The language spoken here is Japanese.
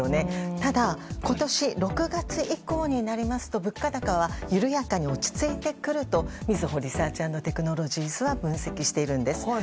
ただ、今年６月以降になりますと物価高は緩やかに落ち着いてくるとみずほリサーチ＆テクノロジーズは分析しているんです。